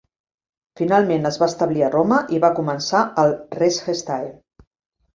Finalment es va establir a Roma i va començar el "Res Gestae".